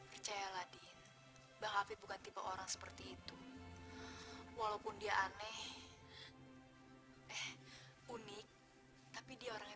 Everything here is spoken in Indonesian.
percayalah dia bang hafid bukan tipe orang seperti itu walaupun dia aneh eh unik tapi dia orangnya